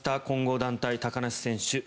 混合団体、高梨選手